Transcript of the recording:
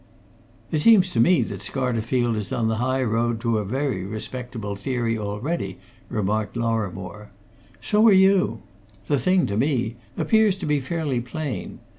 "It seems to me that Scarterfield is on the high road to a very respectable theory already," remarked Lorrimore. "So are you! The thing to me appears to be fairly plain.